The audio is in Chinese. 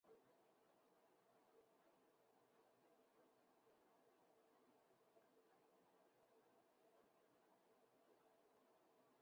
但此时他只能再度被列入替补名单。